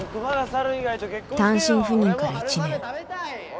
単身赴任から１年